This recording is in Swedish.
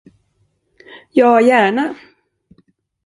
Ja, gärna.